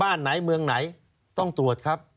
บ้านไหนเมืองไหนต้องตรวจครับ